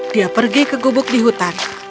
dia pergi ke gubuk di hutan